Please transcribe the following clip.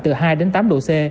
từ hai đến tám độ c